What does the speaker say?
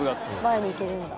前にいけるんだ。